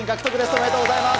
おめでとうございます。